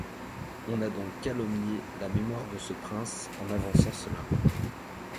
On a donc calomnié la mémoire de ce prince en avançant cela.